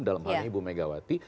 dalam hal ini ibu megawati